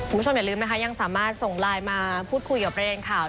คุณผู้ชมอย่าลืมนะคะยังสามารถส่งไลน์มาพูดคุยกับประเด็นข่าว